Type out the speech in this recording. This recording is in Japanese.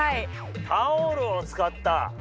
タオルを使った？